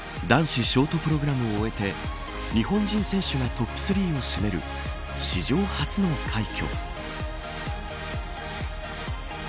男子ショートプログラムを終えて日本人選手がトップ３を占める史上初の快挙。